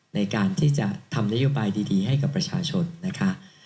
ในการที่จะทำนโยบายดีให้กับประชาชนนะคะ